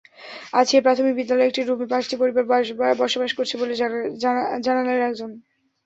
আছিয়া প্রাথমিক বিদ্যালয়ের একটি রুমে পাঁচটি পরিবার বসবাস করছে বলে জানালেন একজন।